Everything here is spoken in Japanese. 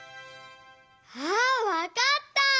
あわかった！